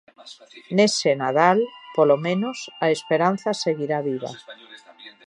Nese Nadal, polo menos, a esperanza seguirá viva.